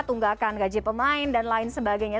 tunggakan gaji pemain dan lain sebagainya